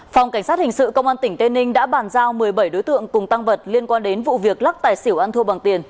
phòng cảnh sát hình sự công an tỉnh tây ninh đã bàn giao một mươi bảy đối tượng cùng tăng vật liên quan đến vụ việc lắc tài xỉu ăn thua bằng tiền